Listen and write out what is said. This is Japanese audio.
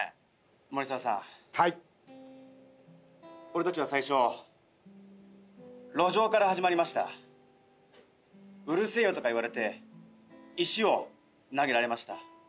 森澤さんはい俺たちは最初路上から始まりました「うるせえよ」とか言われて石を投げられました